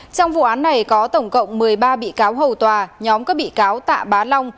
trong vụ án này có tổng cộng một mươi ba bị cáo hầu tòa nhóm các bị cáo tạ bá long